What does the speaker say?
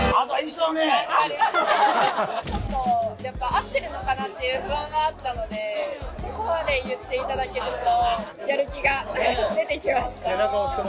合ってるのかなっていう不安があったのでそこまで言っていただけると。